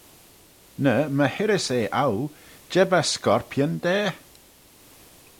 Ny my hirrys eh ooh, jeb eh scorpion da?